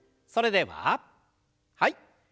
それでははい。